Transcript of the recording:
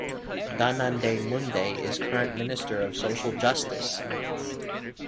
Dhananjay Munde is current Minister of Social Justice.